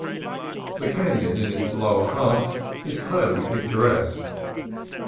The canon in its lower half is highly picturesque.